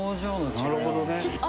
なるほどね。